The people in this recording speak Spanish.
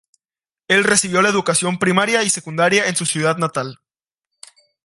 Él recibió la educación primaria y secundaria en su ciudad natal.